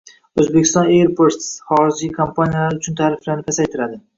Uzbekistan Airports xorij aviakompaniyalari uchun tariflarini pasaytiradi